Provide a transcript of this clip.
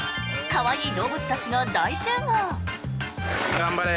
可愛い動物たちが大集合！